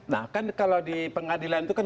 nah kan kalau di pengadilan itu kan